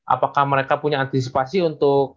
apakah mereka punya antisipasi untuk